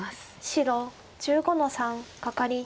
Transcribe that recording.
白１５の三カカリ。